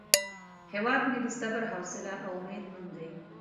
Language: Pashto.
هیواد مې د صبر، حوصله او امید نوم دی